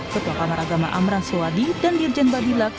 ketua kamar agama amran sewadi dan dirjen badila kukris